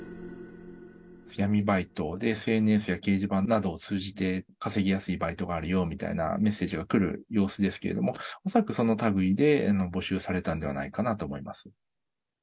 闇バイト、ＳＮＳや掲示板などを通じて、稼ぎやすいバイトがあるよみたいなメッセージが来る様子ですけれども、恐らくそのたぐいで募集されたんではないかなと思います。